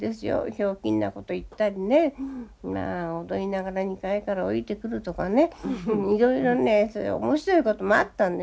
ひょうきんなこと言ったりね踊りながら２階から下りてくるとかねいろいろね面白いこともあったんですよ。